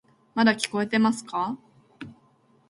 まだ聞こえていますか？